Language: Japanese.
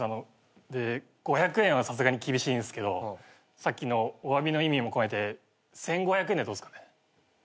あの５００円はさすがに厳しいんすけどさっきのおわびの意味も込めて１，５００円でどうっすかね。